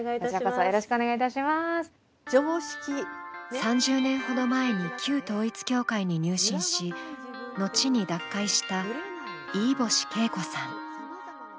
３０年ほど前に旧統一教会に入信し後に脱会した飯星景子さん。